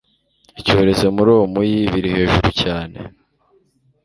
icyorezo muri uwo muyi biri hejuru cyane -